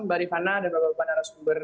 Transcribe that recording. mbak rifana dan bapak banarasumber